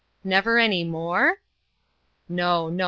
"Never any more?" "No! no!